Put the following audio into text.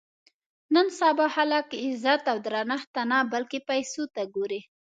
نن سبا خلک عزت او درنښت ته نه بلکې پیسو ته ګوري.